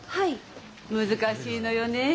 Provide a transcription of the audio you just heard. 難しいのよねえ。